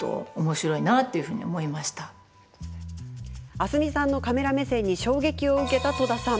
明日海さんのカメラ目線に衝撃を受けた戸田さん。